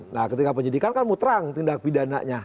nah ketika penyidikan kan muterang tindak pidananya